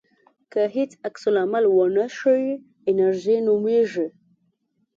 که هیڅ عکس العمل ونه ښیې انېرژي نومېږي.